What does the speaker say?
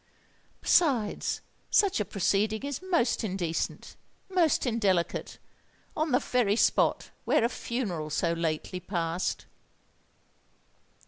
"Besides, such a proceeding is most indecent—most indelicate—on the very spot where a funeral so lately passed!"